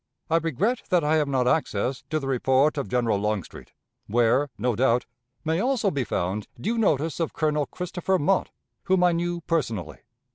I regret that I have not access to the report of General Longstreet, where, no doubt, may also be found due notice of Colonel Christopher Mott, whom I knew personally.